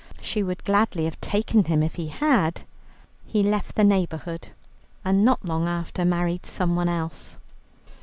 She would gladly have taken him if he had. He left the neighbourhood, and not long after married someone else.